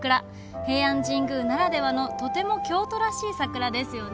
平安神宮ならではのとても京都らしい桜ですよね。